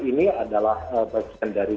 ini adalah bagian dari